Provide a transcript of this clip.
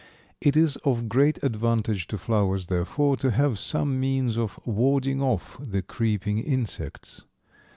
It is of great advantage to flowers, therefore, to have some means of warding off the creeping insects.